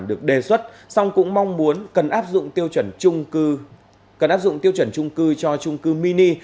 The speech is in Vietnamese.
được đề xuất xong cũng mong muốn cần áp dụng tiêu chuẩn trung cư cho trung cư mini